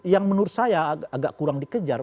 yang menurut saya agak kurang dikejar